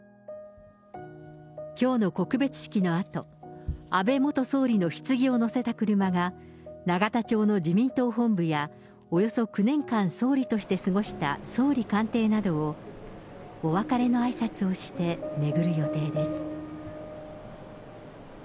きょうの告別式のあと、安倍元総理のひつぎを乗せた車が、永田町の自民党本部やおよそ９年間総理として過ごした総理官邸などを、お別れのあいさつをして巡る予定です。